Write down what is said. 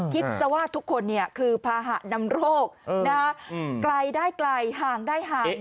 คิดว่าทุกคนเนี่ยคือพาหานำโลกนะไกลได้ไกลห่างได้ห่างนะ